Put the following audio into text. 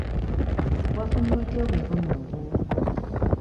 Wafunye otya obuvune obwo?